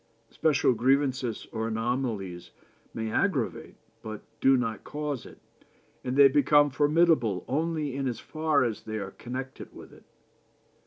Special grievances or anomalies may aggravate, but do not cause it, and they become formidable only in as far as they are connected with it.